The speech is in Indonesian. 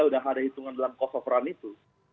sudah ada hitungan dalam cost of run itu